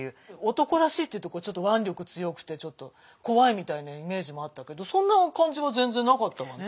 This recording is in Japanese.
男らしいっていうと腕力強くて怖いみたいなイメージもあったけどそんな感じは全然なかったわね。